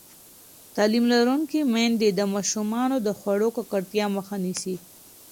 تعلیم لرونکې میندې د ماشومانو د خوړو ککړتیا مخه نیسي.